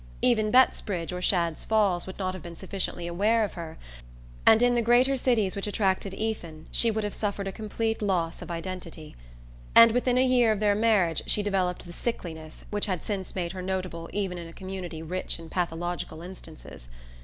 Even Bettsbridge or Shadd's Falls would not have been sufficiently aware of her, and in the greater cities which attracted Ethan she would have suffered a complete loss of identity. And within a year of their marriage she developed the "sickliness" which had since made her notable even in a community rich in pathological instances.